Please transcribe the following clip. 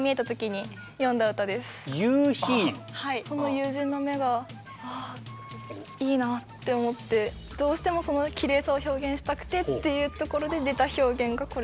その友人の目が「ああいいな」って思ってどうしてもそのきれいさを表現したくてっていうところで出た表現がこれです。